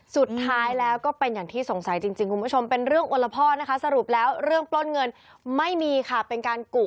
สุดท้ายแล้วก็เป็นอย่างที่สงสัยจริงคุณผู้ชมเป็นเรื่องโอละพ่อนะคะสรุปแล้วเรื่องปล้นเงินไม่มีค่ะเป็นการกุ